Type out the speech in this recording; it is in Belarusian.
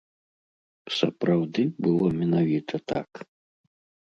Сапраўды было менавіта так?